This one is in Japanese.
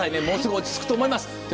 もうすぐ落ち着くと思います。